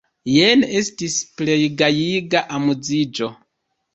Jen estis plej gajiga amuziĝo!